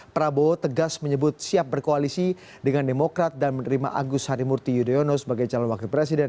prabowo tegas menyebut siap berkoalisi dengan demokrat dan menerima agus harimurti yudhoyono sebagai calon wakil presiden